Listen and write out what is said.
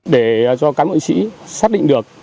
để cho cán bộ chính sĩ xác định được